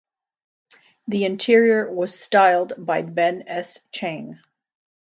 The interior was styled by Ben S. Chang.